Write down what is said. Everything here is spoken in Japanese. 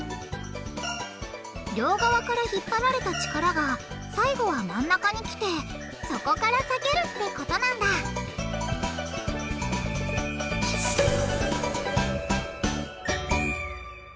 両側からひっぱられた力が最後は真ん中に来てそこから裂けるってことなんだえ？